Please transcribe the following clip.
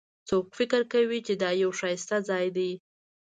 څوک فکر کوي چې دا یو ښایسته ځای ده